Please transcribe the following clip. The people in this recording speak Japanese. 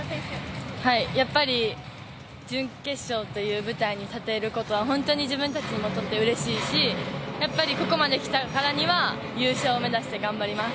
やっぱり準決勝という舞台に立てることは自分たちにとってうれしいしここまできたからには優勝を目指して頑張ります。